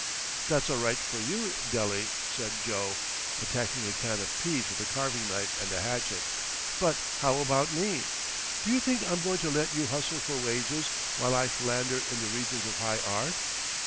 "That's all right for you, Dele," said Joe, attacking a can of peas with a carving knife and a hatchet, "but how about me? Do you think I'm going to let you hustle for wages while I philander in the regions of high art?